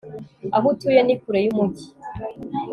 aho atuye ni kure yumujyi